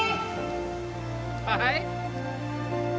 はい？